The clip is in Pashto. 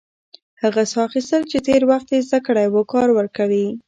هغه ساه اخیستل چې تېر وخت يې زده کړی و، کار ورکوي.